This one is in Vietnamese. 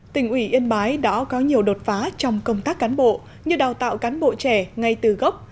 tỉnh ủy yên bái đã có nhiều đột phá trong công tác cán bộ như đào tạo cán bộ trẻ ngay từ gốc